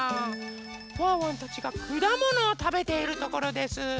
ワンワンたちがくだものをたべているところです。